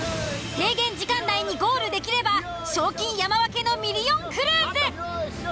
制限時間内にゴールできれば賞金山分けのミリオンクルーズ。